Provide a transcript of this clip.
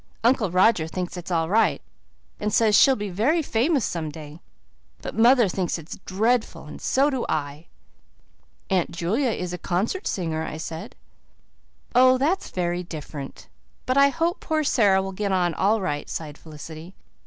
"Uncle Roger thinks it is all right, and says she'll be very famous some day. But mother thinks it's dreadful, and so do I." "Aunt Julia is a concert singer," I said. "Oh, that's very different. But I hope poor Sara will get on all right," sighed Felicity.